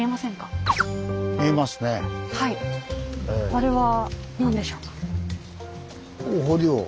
あれは何でしょうか？